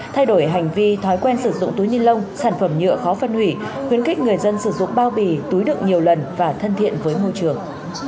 thay đổi hành vi thói quen sử dụng túi ni lông sản phẩm nhựa khó phân hủy khuyến khích người dân sử dụng bao bì túi đựng nhiều lần và thân thiện với môi trường